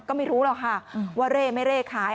ก็ไม่รู้หรอกค่ะว่าเร่ไม่เร่ขาย